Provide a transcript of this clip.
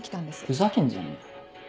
ふざけんじゃねえよ。